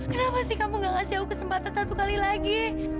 kenapa sih kamu gak kasih aku kesempatan satu kali lagi